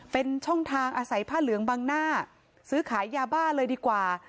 เป็นช่องทางอาศัยผ้าเหลืองบังหน้าซื้อขายยาบ้าเลยดีกว่า